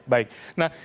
begitu mas daudik